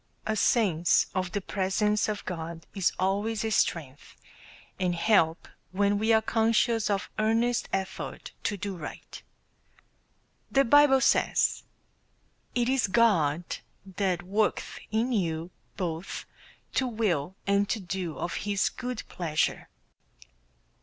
A sense of the presence of God is always a strength, and help when we are conscious of earnest effort to do right. The Bible says: "It is God that worketh in you both to will and to do of his good pleasure."